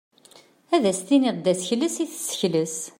Ad as-tiniḍ d asekles i tessekles.